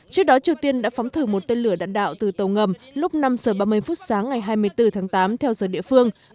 trước đó triều tiên đã phóng thử một tên lửa đạn đạo từ tàu ngầm lúc năm giờ ba mươi phút sáng ngày hai mươi bốn tháng tám theo giờ địa phương